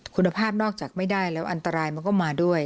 คุณภาพนอกจากไม่ได้แล้วอันตรายมันก็มาด้วย